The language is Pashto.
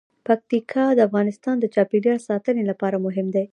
پکتیکا د افغانستان د چاپیریال ساتنې لپاره مهم دي.